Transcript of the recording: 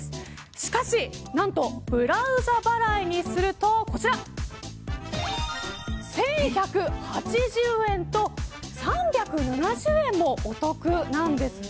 しかし、なんとブラウザ払いにするとこちら１１８０円と３７０円もお得なんですね。